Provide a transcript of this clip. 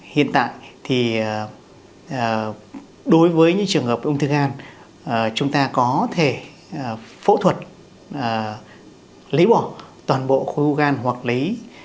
hiện tại thì đối với những trường hợp ung thư gan chúng ta có thể phẫu thuật lấy bỏ toàn bộ khối u gan hoặc lấy